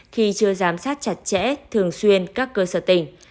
khi chưa giám sát chặt chẽ thường xuyên các cơ sở tỉnh